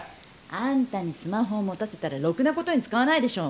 あんたにスマホを持たせたらろくなことに使わないでしょ！